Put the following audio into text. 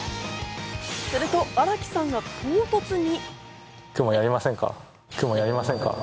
すると荒木さんが唐突に。